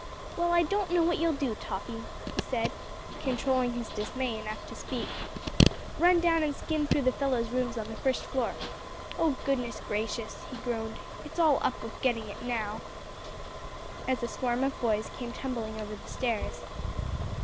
"Well, I don't know what you'll do, Toppy," he said, controlling his dismay enough to speak. "Run down and skin through the fellows' rooms on first floor. Oh, good gracious!" he groaned, "it's all up with getting it now," as a swarm of boys came tumbling over the stairs.